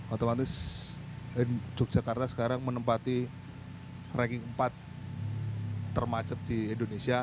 otomatis yogyakarta sekarang menempati ranking empat termacet di indonesia